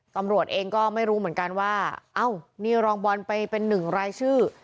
ตำรวจเองก็ไม่รู้เหมือนกันว่าเอ้านี่รองบอลไปเป็นหนึ่งรายชื่อ